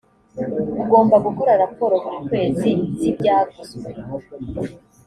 ugomba gukora raporo buri kwezi z’ibyaguzwe